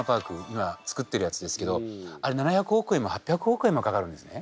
今作ってるやつですけどあれ７００億円も８００億円もかかるんですね。